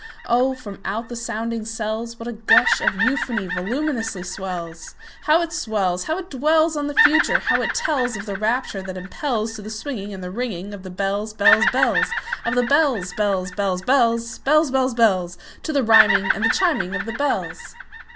Oh, from out the sounding cells, What a gush of euphony voluminously wells! How it swells! How it dwellsOn the Future! how it tellsOf the rapture that impelsTo the swinging and the ringingOf the bells, bells, bells, Of the bells, bells, bells, bells, Bells, bells, bells—To the rhyming and the chiming of the bells!